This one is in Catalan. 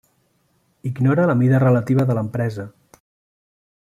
Ignora la mida relativa de l'empresa.